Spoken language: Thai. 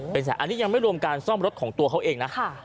เป็นแสนอันนี้ยังไม่รวมการซ่อมรถของตัวเขาเองนะ